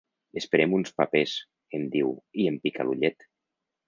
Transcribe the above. Esperem uns papers —em diu, i em pica l'ullet—.